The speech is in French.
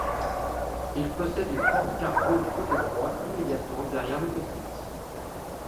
Il possède une porte cargo du côté droit immédiatement derrière le cockpit.